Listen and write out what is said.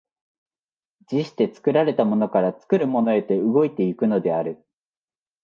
而して作られたものから作るものへと動いて行くのである。